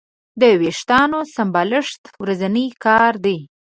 د وېښتیانو سمبالښت ورځنی کار دی.